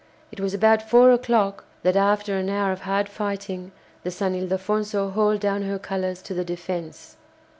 It was about four o'clock that, after an hour of hard fighting, the "San Ildefonso" hauled down her colours to the "Defence."